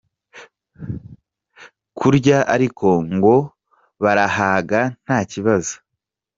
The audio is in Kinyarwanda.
Kurya ariko ngo barahaga nta kibazo.